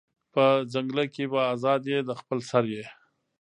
په ځنگله کی به آزاد یې د خپل سر یې